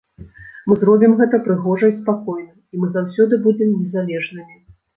Мы зробім гэта прыгожа і спакойна, і мы заўсёды будзем незалежнымі.